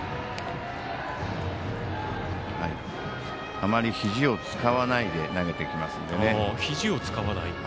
あまりひじを使わないで投げてきますので。